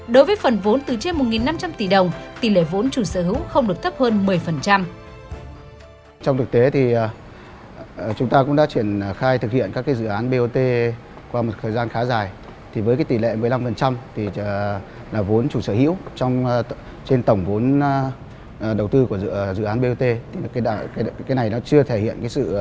đối với phần vốn từ trên một năm trăm linh tỷ đồng tỷ lệ vốn chủ sở hữu không được thấp hơn một mươi